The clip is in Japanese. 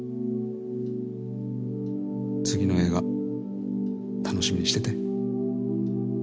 次の映画楽しみにしてて。